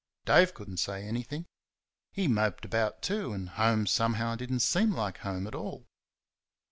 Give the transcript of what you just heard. Dave could n't say anything he moped about, too, and home somehow did n't seem like home at all.